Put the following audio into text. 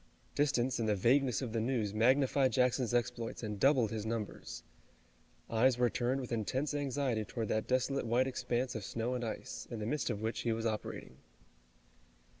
Distance and the vagueness of the news magnified Jackson's exploits and doubled his numbers. Eyes were turned with intense anxiety toward that desolate white expanse of snow and ice, in the midst of which he was operating.